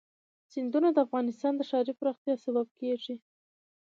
سیندونه د افغانستان د ښاري پراختیا سبب کېږي.